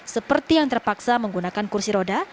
seperti yang terpaksa menggunakan kursi roda